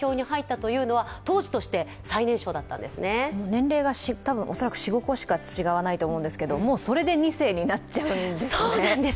年齢が恐らく４５歳しか違わないと思うんですけどもうそれで２世になっちゃうんですね。